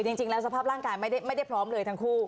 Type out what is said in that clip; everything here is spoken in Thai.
จริงแล้วสภาพร่างกายไม่ได้พร้อมเลยทั้งคู่